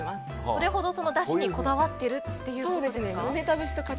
それほど、だしにこだわってるってことですか。